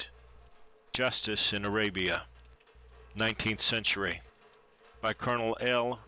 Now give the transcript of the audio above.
JUSTICE IN ARABIA [Nineteenth century] BY COLONEL L.